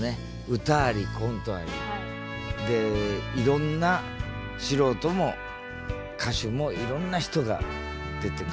歌ありコントあり。でいろんな素人も歌手もいろんな人が出てくるバラエティーっていう。